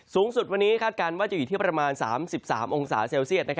สูงสุดวันนี้คาดการณ์ว่าจะอยู่ที่ประมาณ๓๓องศาเซลเซียต